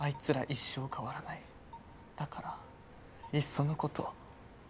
だからいっその事僕が。